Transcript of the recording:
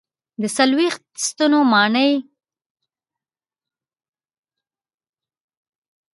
د څلوېښت ستنو ماڼۍ مشهوره ده.